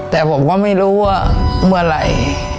แต่ผมก็ไม่รู้ว่าเมื่อไหร่